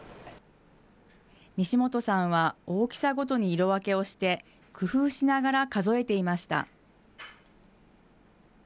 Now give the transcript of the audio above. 西元さんは大きさごとに色分けをして、工夫しながら数えていました。